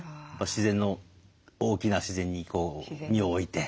自然の大きな自然にこう身を置いて。